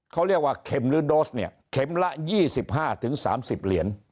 เขาเรียกว่าเข็มหรือโดสเนี่ยเข็มละ๒๕๓๐เหรียญ